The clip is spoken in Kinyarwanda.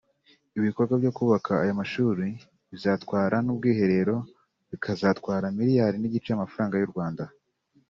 Ibikorwa byo kubaka aya mashuri bizatwara n’ubwiherero bikazatwara miliyari n’igice y’amafaranga y’u Rwanda